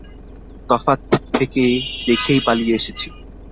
তফাত থেকে দেখেই পালিয়ে এসেছি।